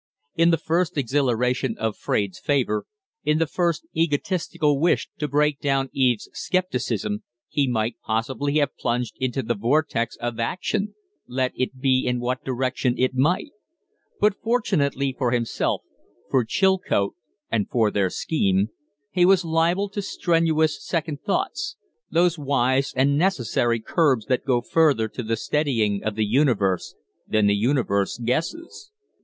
In the first exhilaration of Fraide's favor, in the first egotistical wish to break down Eve's scepticism, he might possibly have plunged into the vortex of action, let it be in what direction it might; but fortunately for himself, for Chilcote, and for their scheme, he was liable to strenuous second thoughts those wise and necessary curbs that go further to the steadying of the universe than the universe guesses.